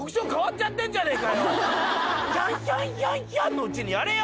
「ヒャンヒャンヒャンヒャン」のうちにやれよ！